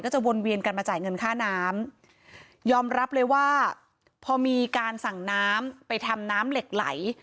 จะวนเวียนกันมาจ่ายเงินค่าน้ำยอมรับเลยว่าพอมีการสั่งน้ำไปทำน้ำเหล็กไหล